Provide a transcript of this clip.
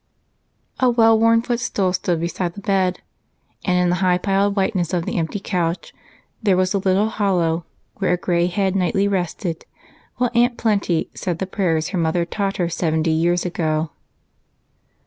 A well worn footstool stood beside the bed, and in the high piled whiteness of the empty couch there was a little hollow where a gray head nightly rested while Aunt Plenty said the prayers her mother taught her seventy years ago.